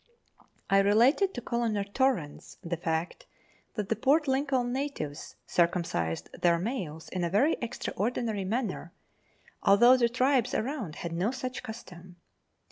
I related to Colonel Torrens the fact that the Port Lincoln natives circumcised their males in a very extra ordinary manner, although the tribes round had no such custom.